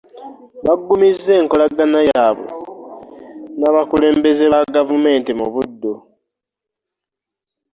Baggumizza enkolagana yaabwe n'abakulembeze ba gavumenti mu Buddu.